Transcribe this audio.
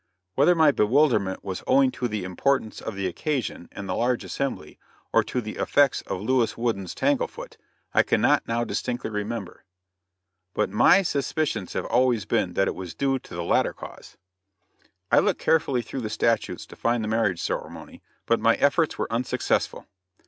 Whether my bewilderment was owing to the importance of the occasion and the large assembly, or to the effect of Louis Woodin's "tanglefoot," I cannot now distinctly remember but my suspicions have always been that it was due to the latter cause. I looked carefully through the statutes to find the marriage ceremony, but my efforts were unsuccessful.